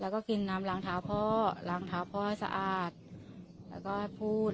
แล้วก็กินน้ำล้างเท้าพ่อล้างเท้าพ่อให้สะอาดแล้วก็พูด